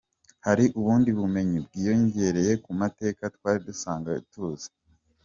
Hari ubundi bumenyi bwiyongereye ku mateka twari dusanzwe tuzi.